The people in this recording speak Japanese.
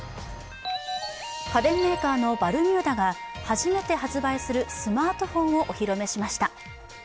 家電メーカーのバルミューダが初めて発売するスマートフォンをお披露目しました。